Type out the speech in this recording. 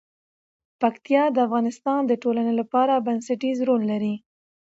پکتیا د افغانستان د ټولنې لپاره بنسټيز رول لري.